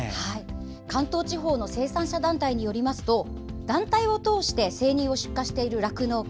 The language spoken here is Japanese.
関東地方の生産者団体によりますと団体を通して生乳を出荷している酪農家